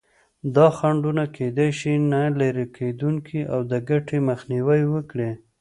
دا خنډونه کېدای شي نه لرې کېدونکي او د ګټې مخنیوی وکړي.